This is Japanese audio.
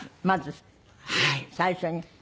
まず最初に。